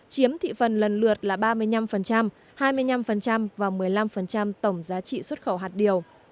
chiếm thị phần lần lượt là ba mươi năm hai mươi năm và một mươi năm tổng giá trị xuất khẩu hạt điều